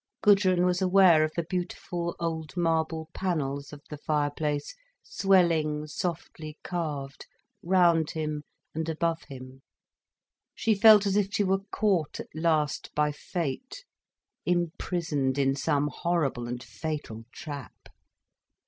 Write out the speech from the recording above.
Gudrun was aware of the beautiful old marble panels of the fireplace, swelling softly carved, round him and above him. She felt as if she were caught at last by fate, imprisoned in some horrible and fatal trap.